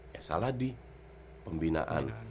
ya salah di pembinaan